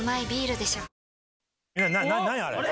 何あれ？